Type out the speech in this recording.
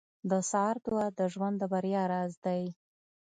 • د سهار دعا د ژوند د بریا راز دی.